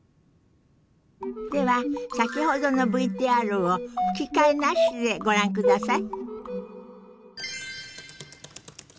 では先ほどのＶＴＲを吹き替えなしでご覧ください。